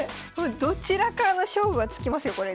これどちらかの勝負はつきますよ